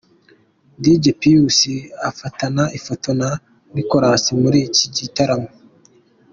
Dj Pius afatana ifoto na Nicolas muri iki gitaramo.